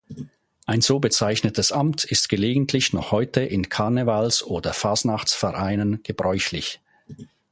Ein so bezeichnetes Amt ist gelegentlich noch heute in Karnevals- oder Fastnachts-Vereinen gebräuchlich.